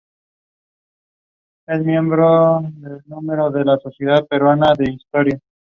Actualmente presta servicios turísticos en la Patagonia chilena.